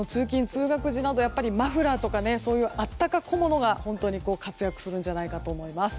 通学時などマフラーとか、あったか小物が本当に活躍するんじゃないかと思います。